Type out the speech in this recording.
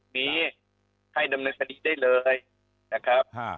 มีให้ดำเนินคดีได้เลยนะครับ